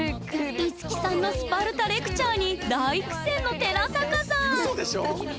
樹さんのスパルタレクチャーに大苦戦の寺坂さんうそでしょ？